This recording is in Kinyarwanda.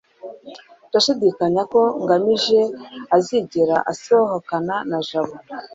ndashidikanya ko ngamije azigera asohokana na jabo